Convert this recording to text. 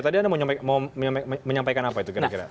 tadi anda menyampaikan apa itu